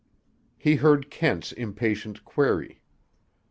He heard Kent's impatient query.